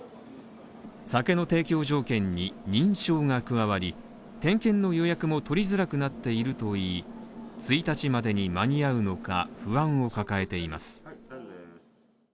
酒の提供を条件に、認証が加わり、点検の予約も取りづらくなっているといい、１日までに間に合うのか不安を抱えています。